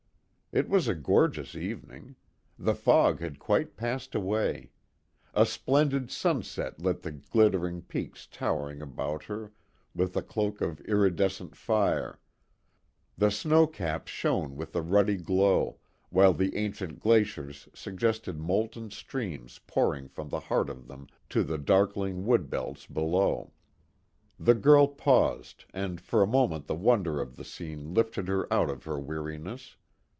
It was a gorgeous evening. The fog had quite passed away. A splendid sunset lit the glittering peaks towering about her with a cloak of iridescent fire. The snow caps shone with a ruddy glow, while the ancient glaciers suggested molten streams pouring from the heart of them to the darkling wood belts below. The girl paused and for a moment the wonder of the scene lifted her out of her weariness.